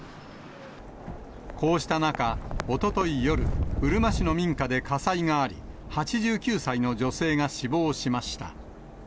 こうした中、おととい夜、うるま市の民家で火災があり、８９歳の女性が死亡しました。